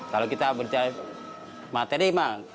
kalau kita bicara materi mah